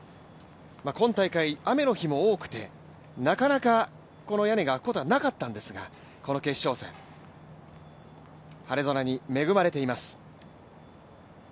今大会、雨の日も多くて、なかなか屋根が開くことはなかったんですがこの決勝戦、晴れ空に恵まれています。